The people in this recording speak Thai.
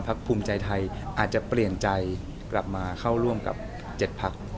ภูมิใจไทยอาจจะเปลี่ยนใจกลับมาเข้าร่วมกับ๗พัก